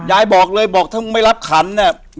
ยายบอกเลยบอกถ้ามึงไม่รับขันเนี่ย